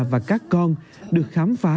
và các con được khám phá